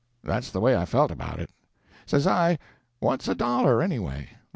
That's the way I felt about it. Says I, what's a dollar, anyway?